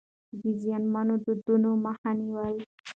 ده د زيانمنو دودونو مخه نيوله.